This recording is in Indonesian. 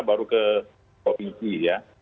baru ke provinsi ya